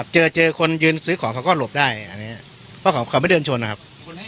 เจอเจอคนยืนซื้อของเขาก็หลบได้อันนี้เพราะเขาไม่เดินชนนะครับ